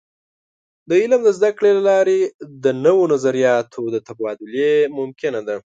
د علم د زده کړې له لارې د نوو نظریاتو د تبادلې ممکنه ده.